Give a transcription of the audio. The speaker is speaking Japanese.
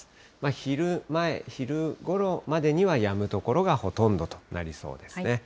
昼前、昼ごろまでにはやむ所がほとんどとなりそうですね。